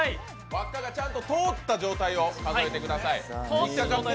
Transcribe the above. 輪っかがちゃんと通った状態を数えてください。